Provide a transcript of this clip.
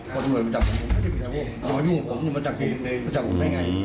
คนสำรวจมาจับผมอย่ามาอยู่กับผมมาจับผมให้ไง